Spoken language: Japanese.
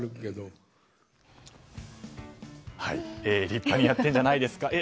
立派にやってんじゃないですかえ？